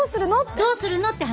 どうするのって。